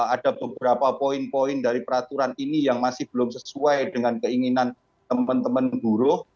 ada beberapa poin poin dari peraturan ini yang masih belum sesuai dengan keinginan teman teman buruh